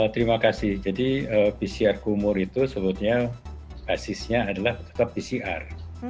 terima kasih jadi pcr kumur itu sebutnya basisnya adalah tetap pcr